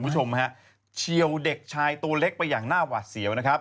เฉียวเด็กชายตัวเล็กไปอย่างหน้าหวัดเสี้ยว